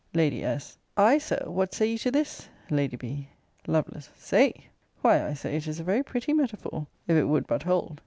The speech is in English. Lady S. | Ay, Sir, what say you to this? Lady B. | Lovel. Say! Why I say it is a very pretty metaphor, if it would but hold.